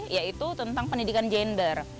yaitu tentang pendidikan gender